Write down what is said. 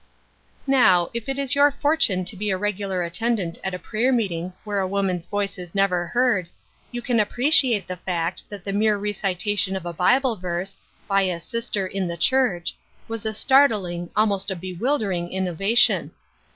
Now, if it is your fortune to be a regular attendant at a prayer meeting where a woman's voice is never heard, you can appreciate the fact that the mere recitation of a Bible verse, by a " sister " in the church, was a startling, almost a bewildering innovation.